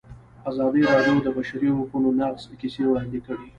ازادي راډیو د د بشري حقونو نقض کیسې وړاندې کړي.